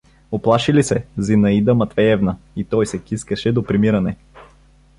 — Уплаши ли се, Зинаида Матвеевна? — И той се кискаше до примиране.